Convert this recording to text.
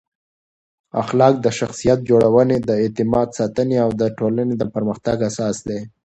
اخلاق د شخصیت جوړونې، د اعتماد ساتنې او د ټولنې د پرمختګ اساس دی.